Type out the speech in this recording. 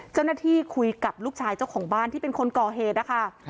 เจ้าหน้าที่คุยกับลูกชายเจ้าของบ้านที่เป็นคนก่อเหตุนะคะ